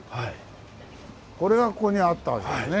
これがここにあったわけですね。